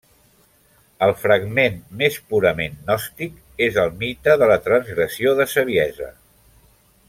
El fragment més purament gnòstic és el mite de la transgressió de Saviesa.